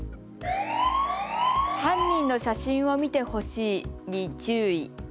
犯人の写真を見てほしいに注意。